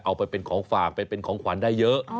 เอาไปเป็นของฝากไปเป็นของขวัญได้เยอะ